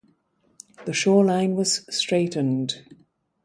The shoreline was straightened.